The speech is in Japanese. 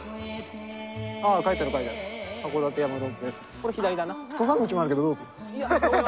これ左だな。